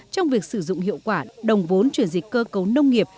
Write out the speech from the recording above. trong việc sử dụng hiệu quả đồng vốn chuyển dịch cơ cấu nông nghiệp